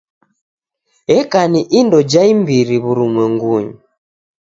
Eka ni indo ja imbiri w'urumwengunyi.